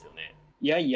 いやいや。